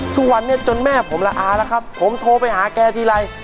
ทุกวันนี้จนแม่ผมละอาแล้วครับผมโทรไปหาแกทีไร